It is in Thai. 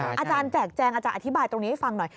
อาจารย์แจกแจงอาจารย์อธิบายตรงนี้ให้ฟังหน่อย